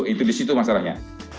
itu di situ masalahnya